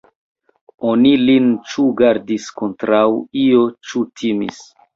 Oni lin ĉu gardis kontraŭ io, ĉu timis.